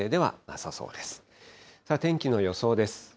さあ天気の予想です。